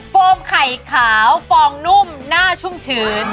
โฟมไข่ขาวฟองนุ่มหน้าชุ่มชื้น